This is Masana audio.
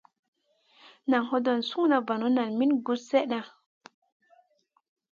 Naʼ hodon suguda vanu nen min guss slena.